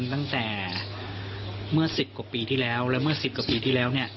ตั้งแต่เมื่อ๑๐กว่าปีที่แล้วแล้วเมื่อ๑๐กว่าปีที่แล้วเนี่ย